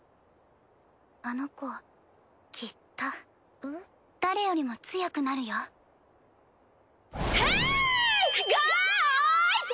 あの子きっと誰よりも強くなるよ。ヘーイガーイズ！